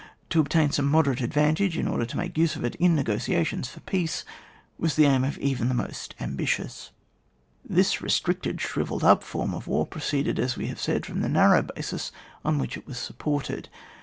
To obtain some moderate advantage in order to make use of it in negotiations for peace, was the aim even of the most am« bitious. This restricted, shrivelled up form of war proceeded, as we have said, from the narrow basis on which it was supported.